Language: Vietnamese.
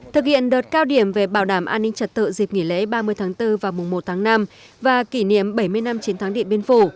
thực hiện đợt cao điểm về bảo đảm an ninh trật tự dịp nghỉ lễ ba mươi tháng bốn và mùa một tháng năm và kỷ niệm bảy mươi năm chiến thắng điện biên phủ